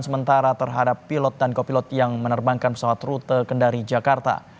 sementara terhadap pilot dan kopilot yang menerbangkan pesawat rute kendari jakarta